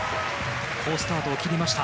好スタートを切りました。